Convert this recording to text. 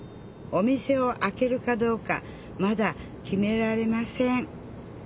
お店をあけるかどうかまだ決められません。